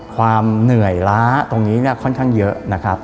ความเหนื่อยล้าตรงนี้เนี่ยค่อนข้างเยอะนะครับ